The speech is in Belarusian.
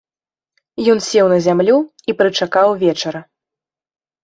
Ён сеў на зямлю і прычакаў вечара.